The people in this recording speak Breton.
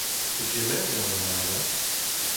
Pegement eo an ananaz ?